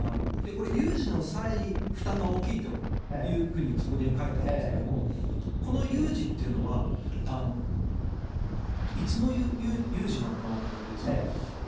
これ、有事の際に負担が大きいというふうにそこに書いてあるんですがこの有事というのはいつの有事なのかなと思って。